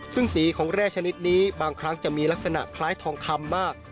ซึ่งสีของแร่ชนิดนี้บางครั้งจะมีลักษณะคล้ายทองคำมาก